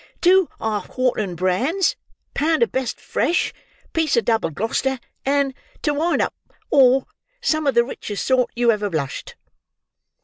Two half quartern brans; pound of best fresh; piece of double Glo'ster; and, to wind up all, some of the richest sort you ever lushed!"